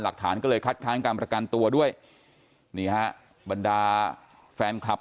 หลักฐานก็เลยคัดค้างการประกันตัวด้วยนี่ฮะบรรดาแฟนคลับ